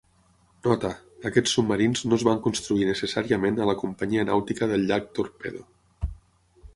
Nota: aquests submarins no es van construir necessàriament a la Companyia Nàutica del Llac Torpedo.